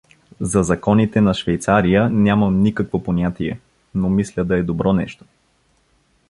За „Законите на Швейцария“ нямам никакво понятие, но мисля да е добро нещо.